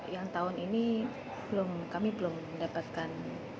bantuan kuota internet